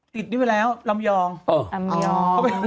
ติดได้เวลาร้ำยองอ่าร้ำยอง